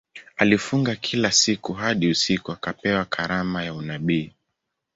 Alifunga kila siku hadi usiku akapewa karama ya unabii.